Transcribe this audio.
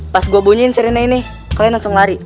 pas gua bunyiin sirene ini kalian langsung lari